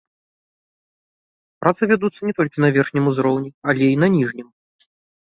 Працы вядуцца не толькі на верхнім узроўні, але і на ніжнім.